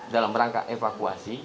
dalam rangka evakuasi